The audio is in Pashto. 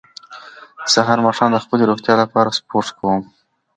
زه هر ماښام د خپلې روغتیا لپاره سپورت کووم